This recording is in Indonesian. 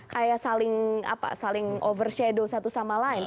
kayak saling overshadow satu sama lain